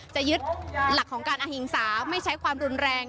จะยึดหลักของการอหิงสาไม่ใช้ความรุนแรง